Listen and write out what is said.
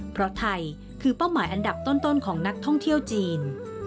เพราะไทยคือเป้าหมายอันดับต้นของนักท่องเที่ยวจีน